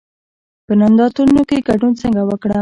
په نندارتونونو کې ګډون څنګه وکړم؟